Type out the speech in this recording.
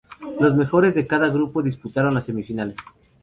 Los mejores dos de cada grupo disputaron las semifinales.